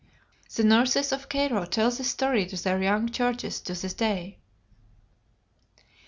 The nurses of Cairo tell this story to their young charges to this day.